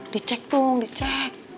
dicek tung dicek